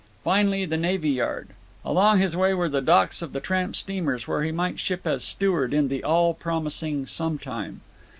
finally, the Navy Yard. Along his way were the docks of the tramp steamers where he might ship as steward in the all promising Sometime.